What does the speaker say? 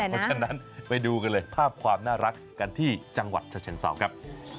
เพราะฉะนั้นไปดูกันเลยภาพความน่ารักกันที่จังหวัดฉะเชิงเศร้าครับ